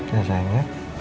ya sayang ya